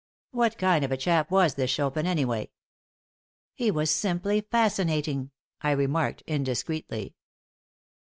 "What kind of a chap was this Chopin, anyway?" "He was simply fascinating," I remarked, indiscreetly.